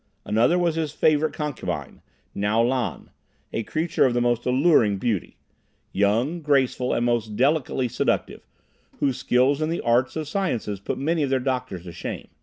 Another was his favorite concubine, Ngo Lan, a creature of the most alluring beauty; young, graceful and most delicately seductive, whose skill in the arts and sciences put many of their doctors to shame.